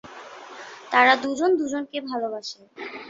তারা দুজন দুজনকে ভালোবাসে।